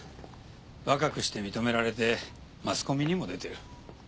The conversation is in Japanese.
若くして認められてマスコミにも出てる。